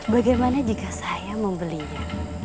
bagaimana jika saya membelinya